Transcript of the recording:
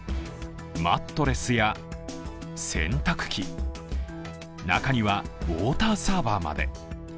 マットレスや洗濯機、中にはウォーターサーバーまで。